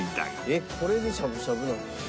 えっこれでしゃぶしゃぶなの？